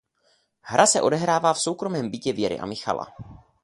Hra se odehrává v soukromém bytě Věry a Michala.